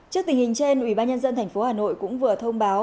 trước tình hình trên ubnd tp hà nội cũng vừa thông báo